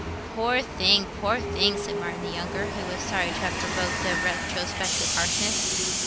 "Poor thing, poor thing!" said Martin the younger, who was sorry to have provoked this retrospective harshness.